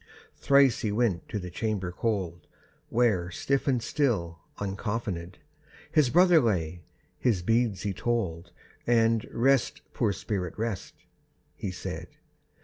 Thrice he went to the chamber cold, Where, stiff and still uncoffinèd, His brother lay, his beads he told, And "Rest, poor spirit, rest," he said.